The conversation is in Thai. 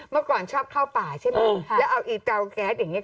เมื่อก่อนชอบเข้าป่าใช่ไหมแล้วเอาอีเตาแก๊สอย่างนี้